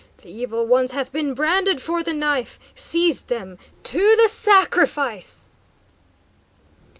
The evil ones hath been branded for the knife! Seize them! To the sacrifice!"